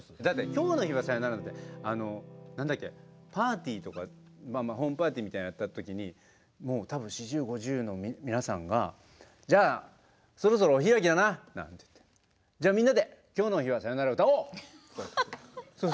「今日の日はさようなら」なんてパーティーとかホームパーティーみたいなのやった時に多分４０５０の皆さんが「じゃあそろそろお開きだな」なんて言ってじゃあみんなで「今日の日はさようなら」を歌おう！